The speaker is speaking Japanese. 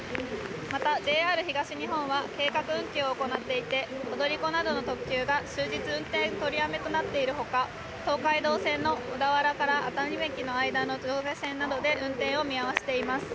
また、ＪＲ東日本は計画運休を行っていて踊り子などの特急が終日運転取りやめとなっているほか、東海道線の小田原から熱海駅の間の上下線などで運転を見合わせています。